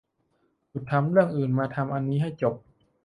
หยุดทำเรื่องอื่นมาทำอันนี้ให้จบ